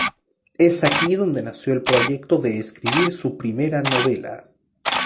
Es aquí donde nació el proyecto de escribir su primera novela.